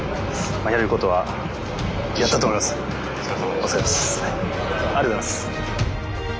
ありがとうございます。